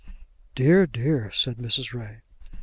"Dear, dear!" said Mrs. Ray.